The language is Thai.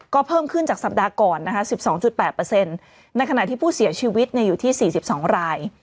ก็เพิ่มขึ้นจากสัปดาห์ก่อนนะคะ๑๒๘ในขณะที่ผู้เสียชีวิตอยู่ที่๔๒ราย